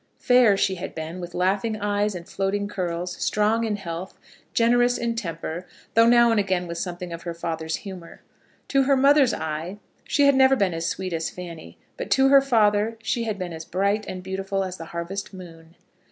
Fair she had been, with laughing eyes, and floating curls; strong in health, generous in temper, though now and again with something of her father's humour. To her mother's eye she had never been as sweet as Fanny; but to her father she had been as bright and beautiful as the harvest moon.